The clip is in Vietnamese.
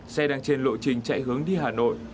xe đang trên lộ trình chạy hướng đi hà nội